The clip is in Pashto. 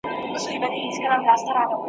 زه به څنګه د پېغلوټو د پېزوان کیسه کومه !.